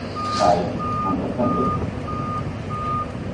Bai, mantentzen dut.